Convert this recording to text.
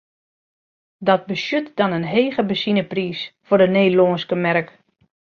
Dat betsjut dan in hege benzinepriis foar de Nederlânske merk.